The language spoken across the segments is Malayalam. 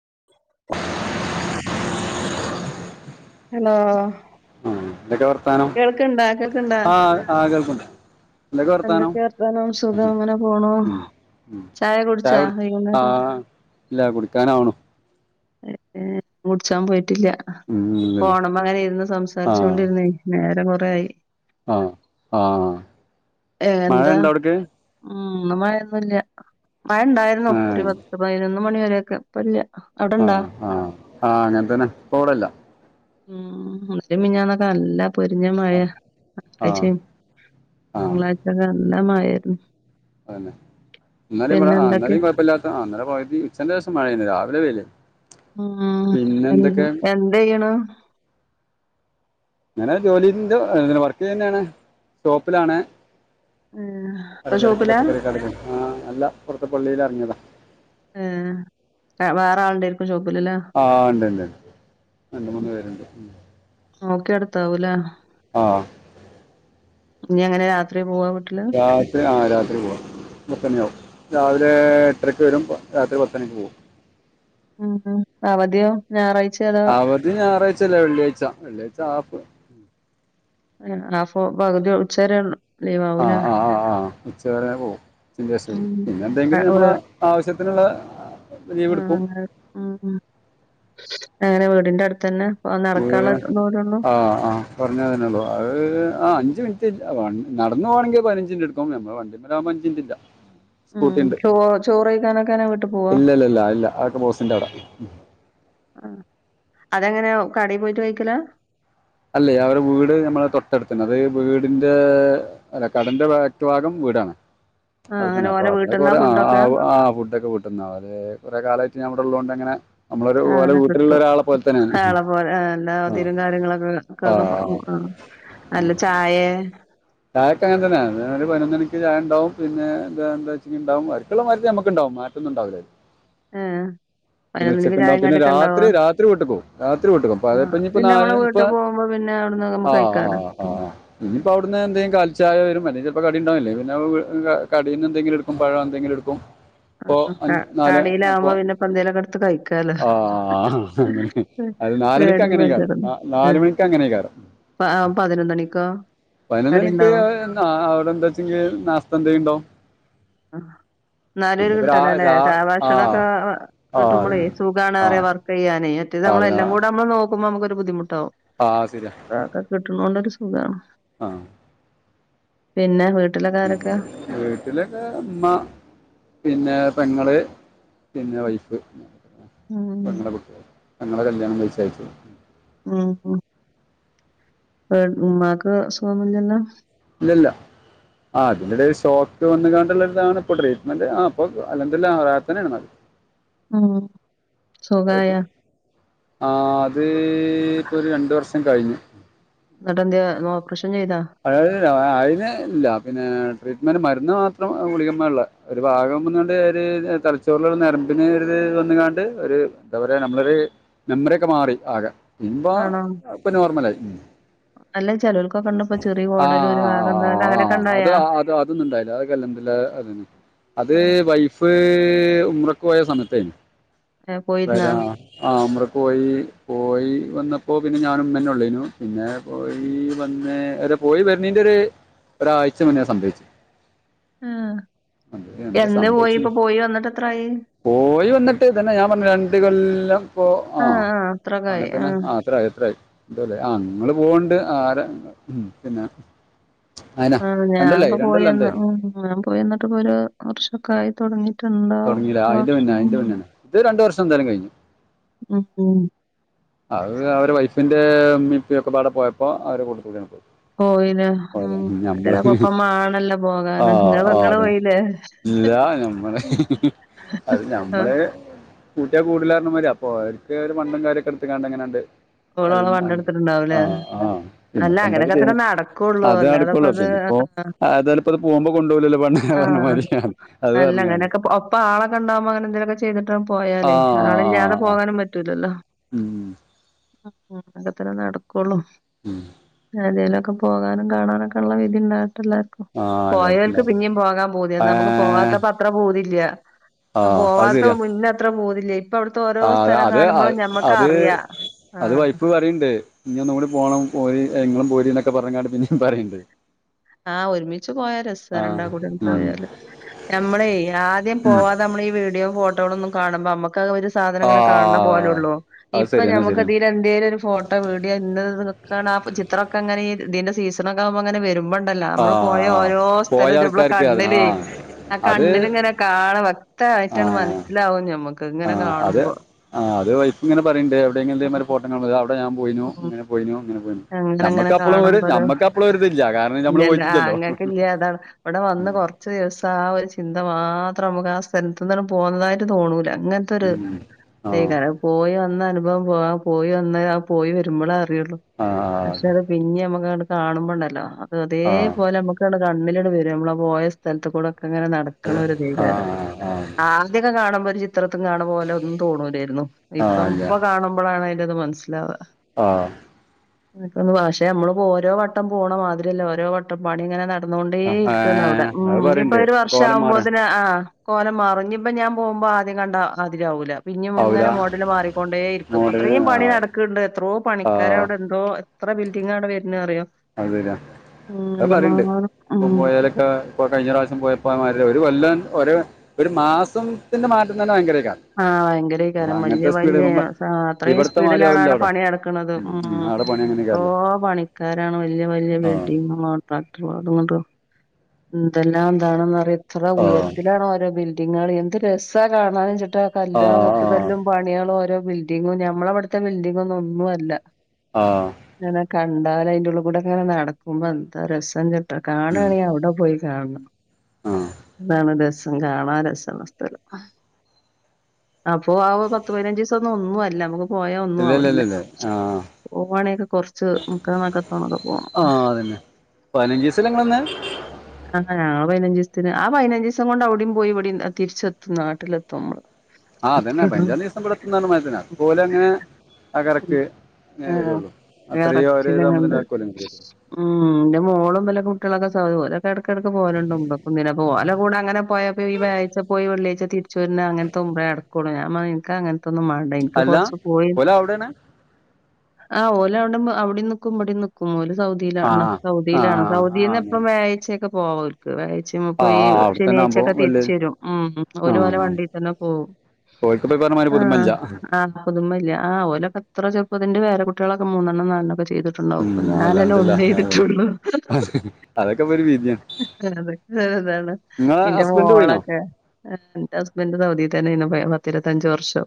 [unintelligible] ഹലോ ആഹ് എന്തൊക്കെ വർത്താനം കേൾക്ക്ണ്ടാ ആഹ് ആഹ് [unintelligible] എന്തൊക്കെയാ വർത്താനം സുഖം അങ്ങനെ പോണു ഉം, ഉം ചായ കുടിച്ചാ ചായുടി വൈകുന്നേരത്തെ ആഹ് ഇല്ല കുടിക്കാനാവണു കുട്ച്ചാൻ പോയിട്ടില്ല. ഉം, ഇല്ലില്ല. ഫോണ്മ്മ ങ്ങനെ ഇര്ന്ന് സംസാരിച്ചോണ്ടിര്ന്നേ. നേരം കൊറെ ആയി. ആഹ് ആഹ് ഏ എന്താ മഴണ്ടോ അവ്ട്ക്ക്. ഉം. ഇന്ന് മയൊന്നുല്ല. മഴ ഇണ്ടായ്രു ന്നു ആ ഒരു പത്ത് പയ്നൊന്ന് മണി വരെക്കെ. ആഹ് ആഹ് ആഹ് അങ്ങൻ തന്നെ ഇപ്പൊ ബടെല്ല ഉം [unintelligible] മിഞ്ഞാന്നൊക്കെ നല്ല പൊര്ഞ്ഞ മഴ ആ ആ ആ [unintelligible] തന്നെ ഇന്നലെ വിടേം ആ എന്തൊക്കെ ഇന്നലിം കൊയ്പ്പല്ലാത്ത ആ ഇന്നലെ പകുതി ഉച്ചന്റെഷം മയെനി രാവിലെ വെയ്ലേനി. ആഹ് എന്തെയ്യ്ണ്? ഇങ്ങനെ ജോലിന്റെ വർക്കെയ്യുന്നേണ്. ഷോപ്പ്ലാണ് ഏ പല ഇപ്പൊ ചരക്ക് ഷോപ്പിലാ പച്ചക്കറി കടേല് ആഹ് അല്ല പൊർത്ത് പള്ളീലെർങ്ങിയതാ. ഏഹ് വേറെ ആള്ണ്ടേര്ക്കും ഷോപ് ആഹ് ണ്ട് ണ്ട് രണ്ട്, മൂന്ന് പേര്ണ്ട്. നോക്കി നടത്താവും ല്ലേ. ആഹ്. ഇഞ്ഞെങ്ങനെ രാത്രി പോവാ വീട്ടില് രാത്രി ആഹ് രാത്രി പോവാ പത്ത ണിയാവും. രാവിലെ എട്ടരയ്ക്ക് വരും. രാത്രി പത്തണിക്ക് പോവും. ഉം അവധിയോ ഞായറാഴ്ച അതോ അവധി ഞായറാഴ്ചല്ല വെള്ളിയാഴ്ച വെള്ളിയാഴ്ച ഹാഫ് ആഹ് ഹാഫ് പകുതി ഉച്ചരെ ഉള്ളൂ ആഹ് ആഹ് ആഹ് ആഹ് ഉച്ചവരെ പോവും ഉച്ചേന്റെശേ ഉം പിന്നെ എന്തെങ്കിലും നമ്മള ആവശ്യ ത്തിനുള്ള ആഹ് ആഹ് ആഹ് അങ്ങന വീടിന്റെ അടുത്തന്ന വീട് ആഹ് ആഹ് പറഞ്ഞ അതിനുള്ളു അത് ആഹ് അഞ്ച് മിനി [unintelligible] വ നടന്നു പൊവാണെങ്കിൽ പതിനഞ്ച് മിനിറ്റ് എടുക്കും നമ്മളെ വണ്ടിന്മേൽ ആവുമ്പ അഞ്ച് മിനിറ്റ് ഇല്ല ഉം സ്കൂട്ടീണ്ട് ചോ മ്ഹ് ചോറ് കഴിക്കാനൊക്കെ അങ്ങനെ വീട്ടിൽ പോവാ ഇല്ലല്ലല്ല ഇല്ല അ [unintelligible] ബോസിന്റെ അവിട മ്ഹ് ആഹ് അതെങ്ങനെയ കടയി പോയിട്ട് കഴിക്കല അല്ലേ അവരെ വീട് നമ്മള തൊട്ടടുത്ത് തന്ന അത് വീടിന്റെ അല്ല കടേന്റെ ബാക്ക് ഭാഗം വ് ആ [unintelligible] അത് അങ്ങനെ തന്നെ അപ്പൊ ഓലെ അമ്മള് വീട്ടിന്നാ കൊറേ ആഹ് ഫുഡൊക്കെ ആഹ് ആഹ് ഫുടൊക്ക വീട്ടിന്നാ അവര് കൊറേ കലാ പിന്നെ അവിടെ ഉള്ളോണ്ട് അങ്ങനെ നമ്മളൊരു ആ പോലെ ഹ വീട്ടിലുള്ള കിട്ടും ഒരാളെ പോലെ തന്നെയാണ് കാളെ പോലെ എന്നാ ആ ഓതിലും കാര്യങ്ങളൊക്കെ ആ ആ. [unintelligible] അല്ല ചായേ ചായക്ക് അങ്ങന തന്ന [unintelligible] ഒരു പതിനൊന്നു മണിക്ക് ചായ ഇണ്ടാവും പിന്നെ ഇത് എന്താച്ച്ന്നാ ഉണ്ടാവും ഓരിക്കുള്ള മാതിരി നമ്മക്ക് ഉണ്ടാവും അപ്പൊം മാറ്റൊന്നും ഉണ്ടാവൂലേ ഏഹ് പിന്നെ പതിനൊന്നണിക്ക് ഉച്ചക്ക്ണ്ടാവും ചായേം പിന്നെ കടിയൊക്കെ ഇണ്ടാവോ രാത്രി രാത്രി വീട്ടി പോവും രാത്രി വിട്ട്ക്ക് പോവും പകല് ആഹ് പ്പ ഇനീപ്പ പിന്നെ നാളെ നമ്മളെ ഇപ്പ വീട്ട് പോകുമ്പോ പിന്നെ അവിടുന്ന് നമ്മക്ക് ആഹ് കഴിക്കാലോ ആഹ് അഹ് ആഹ് ഇനിപ്പ അവിട [unintelligible] എന്തെയ്യും കാലി ചായ വരും അല്ലെങ്കി ചെലപ്പോ കടി ഇണ്ടാവും ഇല്ലെങ്കി പിന്നെ കടി പിന്ന എന്തെങ്കിലും എടുക്കും പഴോ എന്തെങ്കിലും എടുക്കും അപ്പൊ ആഹ് അൻ ക നാല് അപ്പൊ കടയിലാവുമ്പോ പിന്നെപ്പ എന്തേലൊക്കെ എടുത്ത് കഴിക്കാലോ ആഹ് അങ്ങനെ അത് നാലണിക്ക് പേടിയും അങ്ങനെ കയറും ബേജാറൊന്നും നാല് മണിക്ക് അങ്ങനെ കയറാം- ആഹ് പതിനൊന്ന് മണിക്കോ? പതിനൊന്ന്ണിക്ക് നാ അവിടെ എന്താ വെച്ചെങ്കി നാസ്തം എന്ത്ണ്ടാവും- അഹ് ന്നാലും ഒരു രാ കിട്ടലല്ലേ രാ കാ ആ ഭക്ഷണൊക്ക ആ കിട്ടുമ്പളേ അതന്നെ സുഖാണ് ആ പറയും വർക്ക് ചെയ്യാനേ മറ്റത് ആ അതന്നെ ആ അമ്മളെല്ലാം കൂട അമ്മള് നോക്കുമ്പോ നമുക്ക് ഒരു ബുദ്ധിമുട്ടാവും ആ, [unintelligible] കിട്ടണൊണ്ട് ഒരു സുഖാണ് ആഹ് - പിന്നെ വിട്ട് വീട്ടിലെക്കെ ഉമ്മ പിന്നെ പെങ്ങള്- പിന്നെ വൈഫ് ഉം പെങ്ങടെ കുട്ടികൾ പെങ്ങളെ കല്യാണം കഴിച്ചയച്ച്- മ് ഹ്- ഉമ്മാക്ക് അസുഖമൊന്നുമില്ലല്ലോ? ഇല്ലല്ല- ആഹ് അതിന്റെ ഷോക്ക് വന്ന കാണ്ടുള്ളതാണ് ഇപ്പൊ ട്രീറ്റ്മെന്റ് ആഹ് ഇപ്പ അൽഹംദുല്ലാ പ്രാർത്തന്നെയാണ് അത്- ആന്നോ- ആഹ് അത് ഇപ്പ ഒരു രണ്ട് വർഷം കഴിഞ്ഞു- എന്നിട്ടെന്തിനാ ഓപ്പറ്ഷൻ- [unintelligible] അതിന് ഇല്ല പിന്നെ ട്രീറ്റ്മെന്റ് മരുന്ന് മാത്രം ഗളിക്പേ ഉള്ള് ഒരു ഭാഗം വന്ന്ട്ട് ഒര് ചെ തലച്ചോറില്ള്ള നരമ്പിന് ത് വന്നാണ്ട് ഒരു എന്താ പറയാ നമ്മളൊരു മെമ്മറിക്കെ മാറി ആകെ- പിമ്പ ആണോ? ഇപ്പൊ നോർമലായി- അല്ല ചെലോൽക്കൊക്കെ ഇണ്ട്പ്പൊ ചെറി ആഹ് കോടല് ഒരു ഭാഗംണ്ടാവല് ആഹ് അങ്ങനൊക്കെ ആഹ് അത് ഇണ്ടായാ? അത് അതൊന്നും ഇണ്ടായില്ല അതക്കെ അൽഹംദുല്ലാ- അത് ആഹ്. വൈഫ് ഉംറയ്ക്ക് പോയ സമയത്തേന്- ഏഹ് പോയിരുന്നാ? വരാ ആ മൃ- പോയി പോയി വന്നപ്പോ പിന്നെ ഞാനന്നെ ഉള്ളു പിന്നെ പോയി വന്ന് - പോയി വരണിന്റെ ഒരു ഒരാഴ്ച മുന്നെ സംഭവിച്ചേ- ആഹ് - അത് സംഭവിച്ച് ണ് എത്രായി? പോയി വന്നിട്ട് ഇതന്നെ ഞാൻ പറഞ്ഞ്- രണ്ടുകൊല്ലം ഇപ്പൊ ആഹ് അങ്ങൻതന്നെ ആഹ് അത്രായി അത്രായി ഇതല്ലെ ആഹ് നിങ്ങള് പോണ്ട് ആര ഉം പിന്നെ അയിനാ ആഹ് രണ്ടല്ലായി ഞാൻപ്പ രണ്ടല്ല പോയിവന്ന് എന്തായാലും ഇം ഞാൻ പോയി വന്നിട്ട് ഇപ്പൊ ഒരു വർഷക്കെ ആയി തൊടങ്ങി. തൊടങ്ങീല്ലേ ആഹ് അയിന്റെ മുന്നെ അയിന്റെ മുന്നേണ് ഇത് രണ്ടു വർഷം എന്തായാലും കഴിഞ്ഞു. ഉം ഉം അത് അവരെ വൈഫിന്റെ ഉമ്മേം ഉപ്പേക്ക ഒക്കെ പാടെ പോയപ്പോ അവര് കൂട്ടത്തോടങ്ങിട് പോയി പോയിലേ ഉം അരെപ്പംമാണല്ലോ ആ പോകാന് ഇങ്ങള് ആ [unintelligible] പോയീല്ലേ ഇല്ല ഞമ്മള് അത് ആഹ് ഞമ്മള് കൂട്ടിയാ കൂടുലാർന്നമാരി അപ്പൊ ഓരിക്ക് ഒര് മണ്ണും കാര്യൊക്കെ എടുത്ത്ങ്ങാണ്ട് അങ്ങനാണ്ട് ഓള് അൽ ഓളെ പണ്ടെടുത്തിട്ടുണ്ടാവുലേ ആഹ് ആഹ് അല്ല പിന്നിപ്പ എന്താണ് അങ്ങനൊക്കെ ചെയ്യണെ തന്നെ നടക്കൊള്ളൂ അതെ നടക്കൊള്ളു അല്ലാതെപ്പത് പിന്നി പ്പൊ അതേലപ്പത് പോകുമ്പോ കൊണ്ടു പോകൂല്ലല്ലോ പെണ്ണ് പറഞ്ഞ മാതിരി അത് പറഞ്ഞിങ്ങാണ്ട് ഒപ്പാളെക്കെണ്ടാവുമ്പോ അങ്ങനെ എന്തേലൊക്കെ ചെയ്തിട്ട് ആ പോയാലേ ആളില്ലാതെ ആ പോകാനും പറ്റൂലല്ലോ ഉം [unintelligible] അങ്ങനെതന്നെ നടക്കൊള്ളൂ ഉം ഇങ്ങനെന്തേലു ക്ക പോകാനും കാണാനൊക്കെ എള്ള വിരുന്നാണ് ട്ടെല്ലാർക്കും ആ പോയവർക്ക് എല്ലാർക്കുണ്ടാവും പിന്നിം പോകാൻ പൂതിയാ ഏ നമുക്ക് പോകാത്തപ്പോ അത്ര പൂതില്ല ആ അത് പോവാത്ത ശരിയാ മുന്നേ അത്ര പോതില്ലേ ഇപ്പ അവിടുത്തെ ഓരോ ആ സ്ഥലം അത് കാണുമ്പളും അത് ഞമ്മക്കറിയാ അത് വൈഫ് പറയിണ്ട് ഇനി ഒന്നുംകൂടി പോണം പോയി ങ്ങളും പോരി പറഞ്ഞിങ്ങാണ്ട് പിന്നേം പറയിണ്ട് ആഹ് ഒരുമിച്ച് പോയാ രസാണ് രണ്ടാക്കൂടി അങ്ങ് ഉം പോയാല് ഞമ്മളെ ആദ്യം ഉം പോവാതെ അമ്മള് ഈ വീഡിയോ ഫോട്ടോകളൊന്നും കാണുമ്പോ അമ്മ ക്കാഹ് ഒരു സാധനം ഇങ്ങനെ കാണ ആഹ് പോലള്ളു അത് ഇപ്പൊ ശരിയാണ് ശരിയാണ് നമ്മക്കതില് എന്തേലും ഒരു ഫോട്ടോ വീഡിയോ ഇന്നത് [unintelligible] കാണാ ആഹ് പ് ചിത്ര ഒക്കെങ്ങനെ ഈ ഇതിന്റെ സീസണക്കാവുമ്പങ്ങനെ വരുമ്പ പ്പല്ല അമ്മള് പോയ ആഹ് ഓരോ സ്ഥലും പോയ ഞമ്മളെ ആൾക്കാർക്ക് അതിന് കണ്ണിലെ ആഹ് ആഹ് അത് കണ്ണില്ങ്ങനെ കാണാ മ ക്തായിട്ടാണ്ട് ആഹ് മന്സ്സിലാവും ഞമ്മക്ക് ഇങ്ങനെ ആഹ് അത് കാണുമ്പോ ആഹ് അത് വൈഫ് ഇങ്ങനെ പറയെണ്ട് എവിടെങ്കിലും എന്തേലും ഇമ്മാരി ഉം ഫോട്ടം കാണുമ്പോ ദാ അവിടെ ഞാൻ പോയിനു ഉം ഇങ്ങനെ പോയിനു ഇങ്ങനെ പോയിനു അങ്ങനെ നമ്മ അങ്ങനെ ക്ക് അപ്പളും ഒരു കാണുമ്പോരു നമ്മക്ക് അപ്പളും ഒരുതില്ല കാരണം നമ്മള് ഇല്ലല്ല ആഹ് പോയിട്ടില്ലല്ലോ ഇങ്ങ‌ക്കില്ല അതാണ് ഇവിടെ വന്ന് ഉം കൊറച്ച് ദിവസം ആ ഒര് ചിന്ത മാത്രം നമക്ക് ആ സ്ഥലത്ത്ന്ന് പോന്നതായിട്ട് തോണൂല അങ്ങനത്തൊരു ആഹ് തേയ്ക്കാറും പോയി വന്ന അനുഭവം പോവാ പോയി വന്ന ആ പോയി വരുമ്പളാ [unintelligible] ആഹ് പക്ഷെ അത് പിന്നെ അമ്മക്കാട്ട് കാണുമ്പണ്ടല്ലോ അത് ആഹ് അതേപോലെ അമ്മക്കാട്ട് കണ്ണിലാട് വരും നമ്മള് ആ പോയ സ്ഥലത്തുകൂടെ ക്കങ്ങനെ നടക്കണ ഒരു ഫീലെരും ആഹ് ആഹ് ആദ്യൊക്കെ കാണുമ്പോ ഒര് ചി ത്രത്തും കാണുമ്പോലൊന്നും തോന്നൂലേരുന്നു ഇപ്പ ആഹ് ഇല്ല ഇപ്പൊ കാണുമ്പഴാണ് അതിന്റെത് മനസ്സിലാവാ ആഹ് [unintelligible] പാക്ഷേ ഞമ്മള്പ്പോ ഓരോ വട്ടം പോണ മാതിരിയല്ല ഓരോ വട്ടം പണി ഇങ്ങനെ ന ടന്നോണ്ടേരിക്കാണവ്ടെ ഏഹ് ഉം അത് ഇഞ്ഞ്പ്പോ പറയണ്ട് അഹ് ഒരു വർഷം കോലം മാറാ ആവുമ്പോതിന് ആഹ് കോലം മാറും ഇഞ്ഞിപ്പൊ ഞാൻ പോവുമ്പോ ആദ്യം കണ്ടാതിരി ആവൂല ആവൂല പിഞ്ഞിംമ്ങ്ങനെ മോഡല് മാറിക്കൊണ്ടേര്ക്കും മോഡല് അത്രീം പണി ആഹ് നടക്ക്ണ്ട് എത്രോ ആഹ് പണിക്കാരവടെ എന്തോ എത്ര ബിൽഡിംഗാടെ വര്നെ അറിയോ അത് ശരിയാ ഉം അത് പറയിണ്ട് കണ്ടമാനം ഇപ്പം ഉം പോയാലൊക്കെ ഇപ്പ കഴിഞ്ഞറാശ്യം പോയപ്പോ മാര്യയല്ല ഒര് കൊല്ല ഒര് ഒരു മാസത്തിന്റെ മാറ്റം തന്നെ ഭയങ്കരെ ആഹ് ഭയങ്കരേക്കാരം വല്ല്യാ വല്ല്യാ ഇപ്പം ആഹ് സാ അത്രയും ഇവിടുത്തെ മാതിരി ആവില്ല സ്പീഡിലാണാടെ അവിടെ പണി നടക്ക്ണത് ഉം ഉം അവിടെ പണി അങ്ങനെയൊക്കെയല്ലോ ഓഹ് പണിക്കാ രാണ് വല്ല്യ വല്ല്യ ആ ബിൽഡിങ്ങും [unintelligible] എന്തല്ലാതാണ്ന്നറിയോ എത്ര ആ ഉയരത്തിലാണ് ഓരോ ബിൽഡിങ്ങാള് എന്ത് രസാ കാണാന്ച്ച് ട്ടാ ആ കല്ലാളും കൊത്ത്കല്ലും പണിയാളും ഓരോ ബിൽഡിങ്ങും ഞമ്മളവട്ത്തെ ബിൽഡിങ്ങൊന്നും ഒന്നും അല്ല ആഹ് കണ്ടാലയിന്റുള്ള് കൂടെക്ക്ങ്ങനെ നടക്കുമ്പോ എന്താ രസചിട്ടാ ഉം, കാണാണെങ്കി അവിടെ പോയി കാണണം ആ അതാണ് രസം കാണാ രസള്ള സ്ഥലം ആഹ് അപ്പൊ ആ പത്ത്പതിനഞ്ച്ചീസൊന്നും ഒന്നു അല്ല മ്മക്ക് പോയാ ഒന്നും ഇല്ല ഇല്ല ആവലില്ല ഇല്ല ഇല്ല ആ പോവാണക്കെ കൊറച്ച് നിക്കാൻതക്കത്തോണൊക്കെ പോണം പതിനഞ്ജീസല്ലെ ഇങ്ങള്ന്നെ ആ [unintelligible] പതിനഞ്ജീസ്‌ത്തിന് ആ പതിനഞ്ജീസം കൊണ്ട് അവടിം പോയി ഇവിടിം തിരിച്ചെത്തും നാട്ടിലെത്തും മ്മള് ആ അതെന്നെ പൈനഞ്ചാദിവസം ബടെത്തുംന്ന് പറഞമായിരിത്തെന്നെ അത്പ്പൊലങ്ങനെ അ ഉം കററ്റ് എ ആ വരുള്ളൂ അത്രീം അവര് വിറച്ചില്ങ്ങണ്ട് [unintelligible] ഉം ഇതൊക്കെ എടകെടക്ക് പോവല്ണ്ട് ഉംറകും ഇതിനും അപ്പൊ ഓലെകൂടെങ്ങനെ പോയപ്പോ ഈ വ്യാഴാച്ച പോയി വെള്ളിയായ്ച്ച തിര്ച്ച് വെര്ന ങ്ങനെ [unintelligible] ഇൻക്കങ്ങൻത്തൊന്നും മാണ്ട ഇൻക്ക് അല്ല കൊറച്ച് കോയിം പോലെ അവിടെയാണ് ആ ഓലവടം അവിടിംനിക്കും ഇവിടെനിക്കും ഓല് ആ സൗദിലാണ് ആ ആ സൗദിലാണ് ആ ആ അങ്ങനെ സൗദിന്നെപ്പോം വ്യാഴാഴ്ച്ചൊക്കെ പോവ ഓൽക് വ്യാഴാഴ്ച്ചിം ആ പോയി ആ അവിടെത്തന്നെ ആവുമ്പോ ശനിയാഴ്ചൊക്കെ വല്യ തിരിച്ച് വെരും ഉം ഉം ഓല് ഓലെ വണ്ടിത്തെന്നെ പോവും പോയ്‌ ആ ആ പുതുമല്ല ആ ഓലൊക്കെ അത്രചെർ പ്പ്തിന്റെ പേരകുട്ട്യാളൊക്കെ മൂന്നെണ്ണം നാലെണ്ണോക്കെ [unintelligible] ചെയ്തിട്ട്ണ്ടാവും ഉം പ്പൊ ഞാനെന്നെ അൽഹംദുലില്ലാ ഒന്ന് ചെയ്തിട്ടൊള്ളു അതൊക്കെ ഇപ്പൊ ഒരു വിധിയാണ് [unintelligible] അതാണ് നിങ്ങളെ ന്റെ ഹസ്ബൻഡ് പോയിനോ മോളൊക്കെ ന്റെ ഹസ്ബൻഡ് സൗദിതെ ത്തെന്നെന്നു പത്തിരുപത്തഞ്ച് വർഷം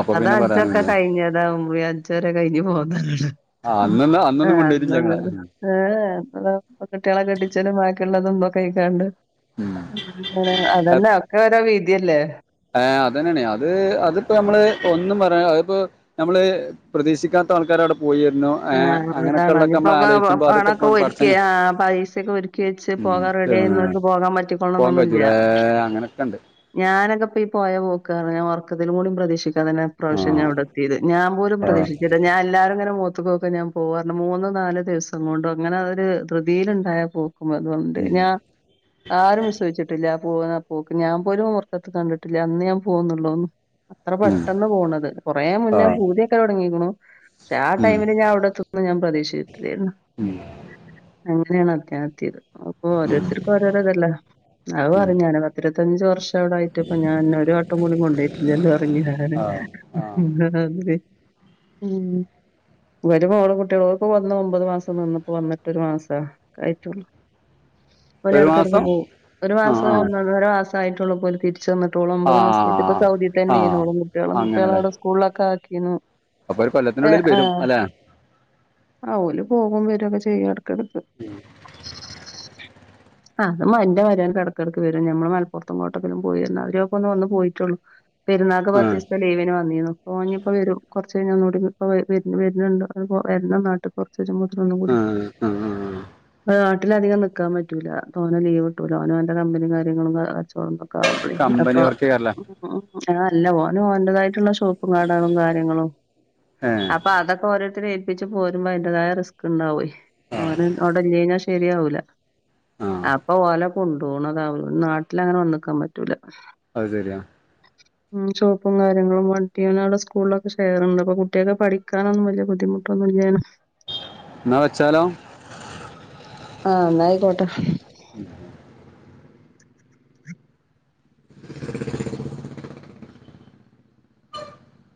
അപ്പൊ പിന്നെ അതജ്ജൊക്കെ പറയാനുല്ല കഴിഞ്ഞതാ ഉംറ അജ്ജ് വെരെ കയ്ഞ്ഞ് പോന്നതാണ് ആ മ്മ് അന്നൊന്നും ആ അന്നൊന്നും കൊണ്ടോയിട്ടില്ല ഞങ്ങളെ [unintelligible] ഏ ഇപ്പത കുട്ട്യാളെ കെട്ടി [unintelligible] ള്ളതും തൊയ്ക്കാണ്ട് ഉം അഒക്കെ ഒരോ വിധിയല്ലേ ഏ അതെന്നേണ് അത് അത്പ്പോ- നമ്മള് ഒന്നും പറയാ അത്പ്പോ നമ്മള് പ്രതീക്ഷിക്കാത്ത ത്തആൾക്കാരവിടെ ആ ഇതാണോ ഞ്ഞിപ്പൊക്കെ ആലോചിച്ചുമ്പോ അതൊക്കെ ഓണൊക്കെ ഒരുക്കി പടച്ചോൻ ആ പൈസൊക്കെ ഒരുക്കി വെച്ച് ഉം പോകാറെഡിയിന്നൊര്ക്ക് പോകാൻ പോവാൻ പറ്റിക്കൊളൊണന്നൊന്നുല്ല കജൂലേ അങ്ങനൊക്കെ ഉണ്ട് ഞാനൊക്കെ പ്പ ഈ പ്പൊപോയ പോക്ക്പർഞ്ഞ ഒർക്കത്തിലും കൂടി പ്രതീക്ഷിക്ക [unintelligible] ആ ഇപ്രാശ്യം ഇവടെ എത്യേത് ഞാൻ പോലും ആ പ്രീക്ഷിച്ചില്ല ഞാൻ എല്ലാരുംങ്ങനെ മൊ ഖത്ത് ക്കോക്ക ഞാൻ പോവർ മൂന്ന് നാല് ദിവസം കൊണ്ട് അങ്ങനെ അതൊരു ധൃതിൽ ണ്ടായാപ്പോ [unintelligible] ഞ ഉം ആരും വിശോസ്‌ച്ചിട്ടില്ല പോവാ പോക്ക് ഞാ പോലും ഒർക്കത്ത് കണ്ടിട്ടില്ല അന്ന് ഞാൻ പോവ്ന്ന്ള്ളൊതൊന്നും അത്ര ഉം പെട്ടെന്ന് പോണത് കൊറേ ആ മുന്നേ പൂതിയൊക്കെലൊടങ്ങിക്ക്ണ് ക്ഷേ ആ ഉം ടൈമില് ഞാൻ അവിടെത്തുന്ന് ഞാൻ പ്രതീക്ഷിച്ചിട്ടില്ലേരുന്നു ഉം അങ്ങനെണ് [unintelligible] ഞാ എത്യേത് അപ്പൊ ഉം ഓരോരുത്തര്ക്ക് ഓരോരോതല്ലേ അത് ഉം പറിംഞാന് പത്തിരുപത്തഞ്ച് വർഷം അവിടായിട്ടും പ്പൊ ഞാൻ ഒരു വട്ടം കൂടി കൊണ്ടോയിട്ടില്ലല്ലോന്ന് പറിം ഞാന് ആ ആ [unintelligible] ഇവല് മോളും കുട്ട്യോളും ഓല്പ്പൊ വന്ന് ഒമ്പത് മാസം നിന്ന്പ്പോ വന്നിട്ട് ഒരു മാസാ ക്കായിട്ടൊള്ളു ഒരു ഓലെടെകെടക്ക് മാസം പോവും ഒരു ആ മാസം ഒന്നൊന്നര മാസായിട്ടൊള്ളൂ പ്പോല് തിരി ച്ച്ന്ന്ട്ടൊള്ളൂ ആ ഒമ്പത് മാസായിട്ട്പ്പ സൗദി ആ ആ തന്നേന്നു ഓളും കുട്ട്യാളും കുട്ട്യാളവടെ സ്കൂളിലൊക്കെക്കാക്കിന്നു അപ്പൊരുകൊല്ല ഏ ആ ആ ഓല് പോകും വെരൊക്കെ ചെയ്യും എടകെടക്ക് അ അത് ന്റെ മരോനും എടക്കെടക്ക് വെരും ഞമ്മള് മലപ്പുറത്തും കോട്ടെക്കലും പോയിര്ണാതിരി അപ്പൊന്ന് വന്ന് പോയിട്ടൊള്ളൂ പെര്ന്നാക്ക് ആ പത്തിസ്‌ത്തെ ലീവിന് വന്നിന്നു പ്പൊഞ്ഞി പ്പൊവെരും കൊർച്ചയ്ഞ്ഞാ ഒന്നൂടി പ്പ വെ വെര് വെര്ണ് ണ്ട് അ പ്പൊ വെര്ണം നാട്ട്ക് തെരുമ്പോത്തിന് ഒന്നുംകൂ‌ടി ആ ആ [unintelligible] ഓനധികം നിൽക്കാൻ പറ്റൂല്ലാ ഓന് ലീവ് കിട്ടൂല ഓന് ഓന്റെ കമ്പനിയും കാര്യങ്ങളും കച്ചോ ആവുമ്പോളെ അപ്പോ കമ്പനി വർക്ക് ചെയ്യാറില്ല ഉം ആ അല്ല ഓനും ഓന്റേതായിട്ടുള്ള [unintelligible] കാര്യങ്ങളും ഏ അപ്പോ അതൊക്കെ ഓ രോര്ത്തരെ ഏൽപ്പിച്ച് പോരുമ്പോ അതിന്റേതായ റിസ്ക്ണ്ടാവേ ഓന് അവടെ ഇല്ലാഞ ശരിയാവൂല്ല ആ അപ്പോ ഓലെ കൊണ്ടോണതാവും നാട്ടിലങ്ങനെ വന്ന് നിക്കാൻ പറ്റൂല അത് ശരിയാ ഉം ചോ ടങ്ങളും കാര്യങ്ങളും വണ്ടിയനാട് സ്കൂളിലൊക്കെ ഷെയർ ഉണ്ട് അപ്പോ കു കുട്ടികൾക്ക് പഠിക്കാനൊന്നും വലിയ ബുദ്ധിമുട്ടൊന്നും ഇല്ലേലും എന്നാ വച്ചാലോ ആ എന്നാ ആയിക്കോട്ടെ ഉം [inaudible]